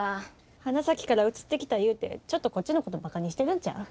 花咲から移ってきたいうてちょっとこっちのことバカにしてるんちゃう？